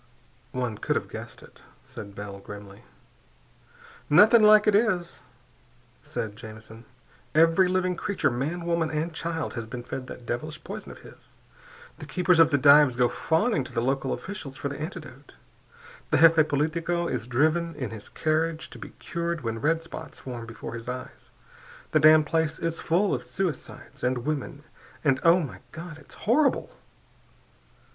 "One could have guessed it," said Bell grimly. "Nothing like it is," said Jamison. "Every living creature, man, woman, and child, has been fed that devilish poison of his. The keepers of the dives go fawning to the local officials for the antidote. The jefe politico is driven in his carriage to be cured when red spots form before his eyes. The damned place is full of suicides, and women, and oh, my God! It's horrible!"